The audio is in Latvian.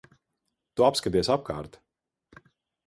Tu apskaties apkārt.